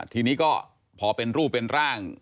ทีนี้ก็พอเป็นรูปเป็นร่าง